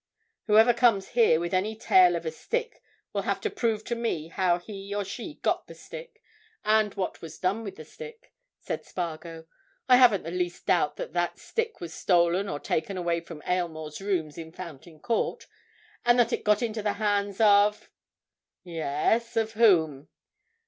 "Whoever comes here with any tale of a stick will have to prove to me how he or she got the stick and what was done with the stick," said Spargo. "I haven't the least doubt that that stick was stolen or taken away from Aylmore's rooms in Fountain Court, and that it got into the hands of—" "Yes, of whom?"